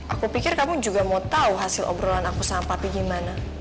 aku pikir kamu juga mau tahu hasil obrolan aku sama papa gimana